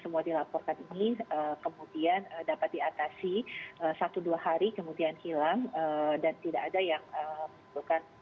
semua dilaporkan ini kemudian dapat diatasi satu dua hari kemudian hilang dan tidak ada yang membutuhkan